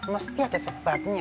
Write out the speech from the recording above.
mesti ada sebabnya